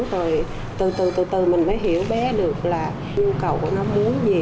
rồi từ từ mình mới hiểu bé được là nhu cầu của nó muốn gì